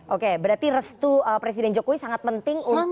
oke berarti restu presiden jokowi sangat penting nih pak erlangka